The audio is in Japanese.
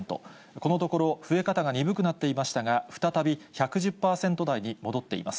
このところ、増え方が鈍くなっていましたが、再び１１０％台に戻っています。